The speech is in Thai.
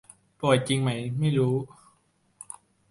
ป่วยจริงไหมไม่รู้